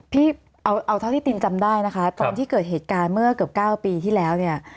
พี่เอาเท่าที่ตินจำได้นะคะตอนที่เกิดเหตุการณ์เมื่อเกือบ๙ปีที่แล้วเนี่ย